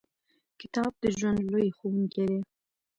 • کتاب د ژوند لوی ښوونکی دی.